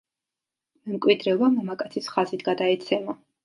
მემკვიდრეობა მამაკაცის ხაზით გადაეცემა.